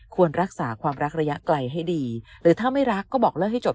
ควรรักษาความรักระยะไกลให้ดีหรือถ้าไม่รักก็บอกเลิกให้จบ